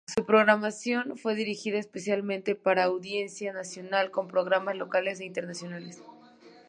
Su programación fue dirigida especialmente para audiencia nacional con programas locales e internacionales.